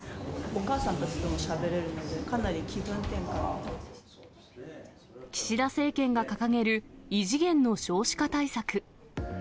使うと、お母さんたちともしゃべれる岸田政権が掲げる異次元の少子化対策。